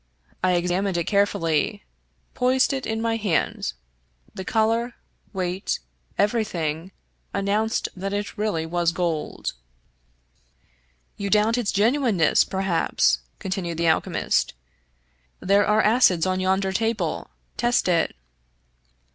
I examined it carefully, poised it in my hand — ^the color, weight, everything, an nounced that it really was gold. " You doubt its genuineness, perhaps," continued the al chemist. " There are acids on yonder table — ^test it."